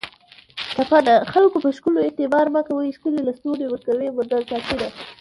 ټپه ده: خکلو په ښکلو اعتبار مه کوی ښکلي لستوڼي ورکوي منګل ساتینه